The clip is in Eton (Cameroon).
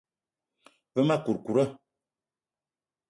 Ve ma kourkoura.